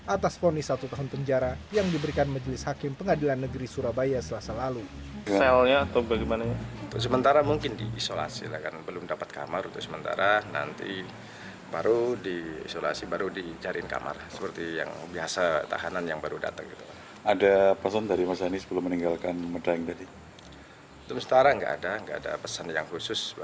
atas poni satu tahun penjara yang diberikan majelis hakim pengadilan negeri surabaya selasa lalu